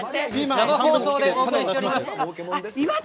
生放送で放送しております。